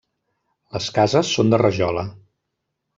Les cases són de rajola.